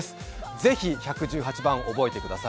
ぜひ１１８番、覚えてください。